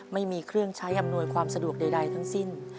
ไม่มีเครื่องใช้อำนวยความสะดวกใดทั้งสิ้น